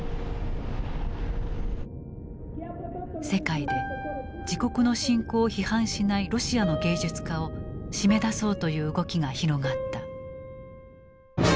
世界で自国の侵攻を批判しないロシアの芸術家を締め出そうという動きが広がった。